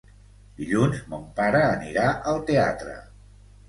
Dilluns mon pare anirà al teatre.